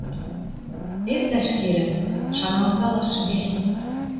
Эртӓш келӹн! Шаналталаш вел.